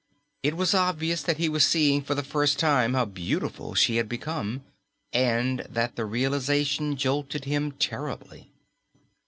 It was obvious that he was seeing for the first time how beautiful she had become, and that the realization jolted him terribly.